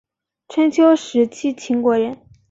春秋时期秦国人。